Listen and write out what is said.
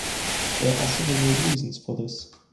There are several reasons for this.